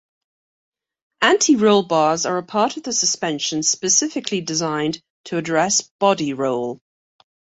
Anti-roll bars are a part of the suspension specifically designed to address body roll.